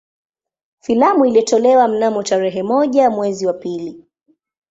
Filamu ilitolewa mnamo tarehe moja mwezi wa pili